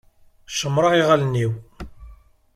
Cemmṛeɣ iɣallen-iw.